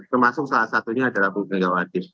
termasuk salah satunya adalah bung daniel wadid